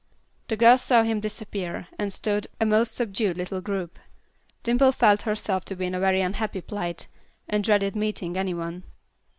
The girls saw him disappear, and stood, a most subdued little group. Dimple felt herself to be in a very unhappy plight, and dreaded meeting any one.